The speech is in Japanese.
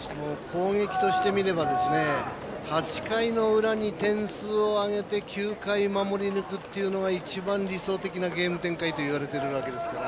攻撃としてみれば８回の裏に点数を挙げて９回守り抜くというのが一番理想的なゲーム展開といわれてるわけですから。